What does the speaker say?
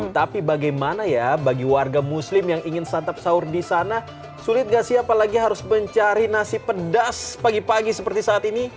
tapi bagaimana ya bagi warga muslim yang ingin santap sahur di sana sulit gak sih apalagi harus mencari nasi pedas pagi pagi seperti saat ini